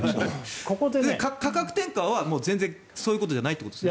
価格転嫁はそういうことじゃないということですね。